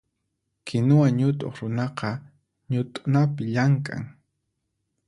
Kinuwa ñutuq runaqa ñutunapi llamk'an.